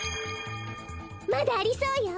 まだありそうよ。